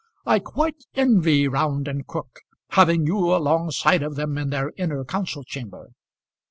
I quite envy Round and Crook having you alongside of them in their inner council chamber."